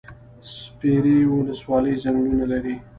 سپیرې ولسوالۍ ځنګلونه لري؟